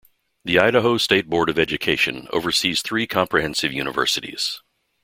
The Idaho State Board of Education oversees three comprehensive universities.